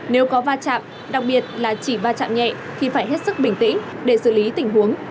nếu có va chạm đặc biệt là chỉ va chạm nhẹ thì phải hết sức bình tĩnh để xử lý tình huống